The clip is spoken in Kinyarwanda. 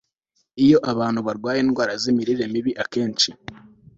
iyo abantu barwaye indwara z'imirire mibi akenshi